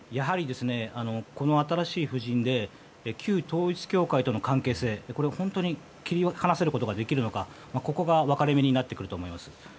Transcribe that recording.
この新しい布陣で旧統一教会との関係性これを本当に切り離せることができるのかここが分かれ目になってくると思います。